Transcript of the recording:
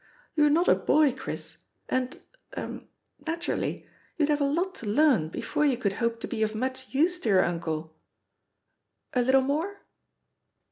You're not a boy, Chris, and — er — ^naturally, you'd have a lot to learn before yiu could hope to be of much use to your unde. ... A little more?"